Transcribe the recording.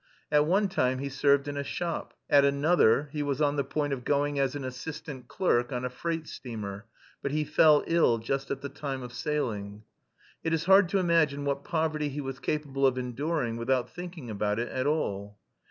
At one time he served in a shop, at another he was on the point of going as an assistant clerk on a freight steamer, but he fell ill just at the time of sailing. It is hard to imagine what poverty he was capable of enduring without thinking about it at all.